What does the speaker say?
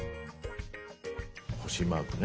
星マークね。